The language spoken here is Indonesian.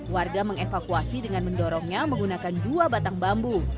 warga mengevakuasi dengan mendorongnya menggunakan dua batang bambu